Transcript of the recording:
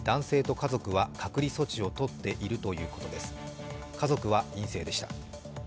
家族は陰性でした。